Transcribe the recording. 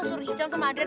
salah satu hal